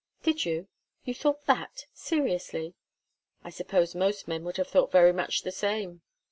"Did you? You thought that? Seriously?" "I suppose most men would have thought very much the same."